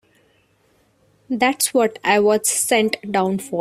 That's what I was sent down for.